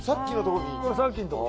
これさっきのとこ。